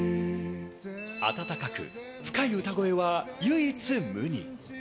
温かく深い歌声は、唯一無二。